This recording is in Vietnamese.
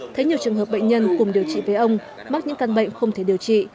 thấy nhiều trường hợp bệnh nhân cùng điều trị với ông mắc những căn bệnh không thể điều trị